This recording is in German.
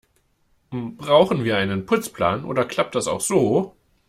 Brauchen wir einen Putzplan, oder klappt das auch so?